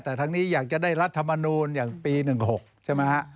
แต่ทั้งนี้อยากจะได้รัฐมนูลอย่างปี๑๖ใช่ไหมฮะ